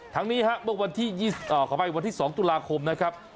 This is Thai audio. ทั้งนี้ฮะวันที่ยี่สิเอ่อขอไปวันที่สองตุลาคมนะครับ